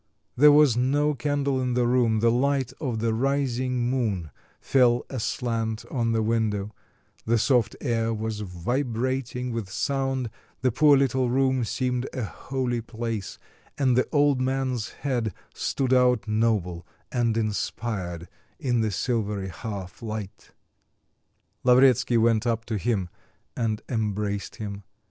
There was no candle in the room; the light of the rising moon fell aslant on the window; the soft air was vibrating with sound; the poor little room seemed a holy place, and the old man's head stood out noble and inspired in the silvery half light. Lavretsky went up to him and embraced him.